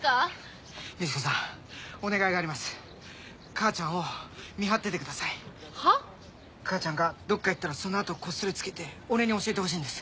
母ちゃんがどっか行ったらそのあとをこっそりつけて俺に教えてほしいんです。